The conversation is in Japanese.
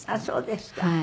そうですか。